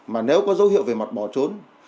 mà nếu có dấu hiệu về mặt bỏ trốn